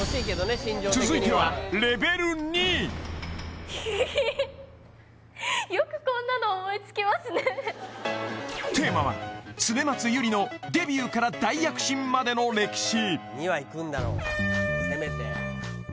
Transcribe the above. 心情的にはひひひテーマは恒松祐里のデビューから大躍進までの歴史